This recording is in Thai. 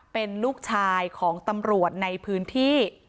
เป็นลูกชายของตำรวจในพื้นที่